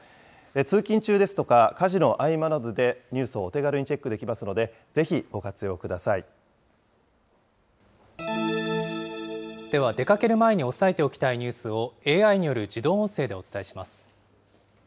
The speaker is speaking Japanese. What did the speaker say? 通勤中ですとか、家事の合間などでニュースをお手軽にチェックででは、出かける前に押さえておきたいニュースを、ＡＩによる自動音声でお伝えします。